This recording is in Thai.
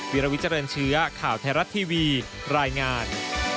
วิรวิเจริญเชื้อข่าวไทยรัฐทีวีรายงาน